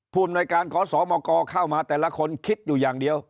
อำนวยการขอสมกเข้ามาแต่ละคนคิดอยู่อย่างเดียว